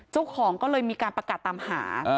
เจ้าของก็เลยมีการประกาศตามหา